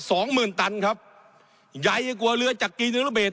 สองหมื่นตันครับใหญ่กว่าเรือจากกีหนึ่งระเบส